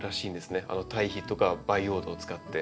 堆肥とか培養土を使って。